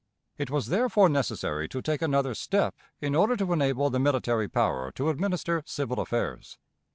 It was therefore necessary to take another step in order to enable the military power to administer civil affairs.